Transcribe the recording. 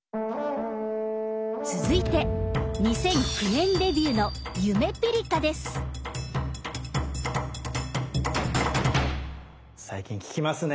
続いて２００９年デビューの最近聞きますね！